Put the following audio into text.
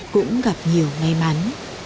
cũng gặp nhiều may mắn